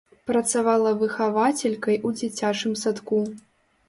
Працавала выхавацелькай у дзіцячым садку.